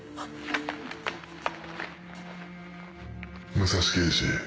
武蔵刑事。